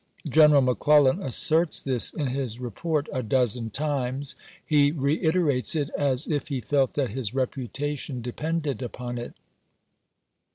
General McClellan asserts this in his report a dozen times ; he reiterates it as if he felt that his reputation depended upon it.